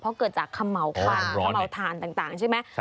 เพราะเกิดจากคำหม่อคล้างคำหม่อถานต่างใช่ไหมใช่โอ้โฮร้อน